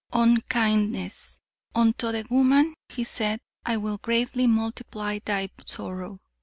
"Unkindness. 'Unto the woman He said, I will greatly multiply thy sorrow.'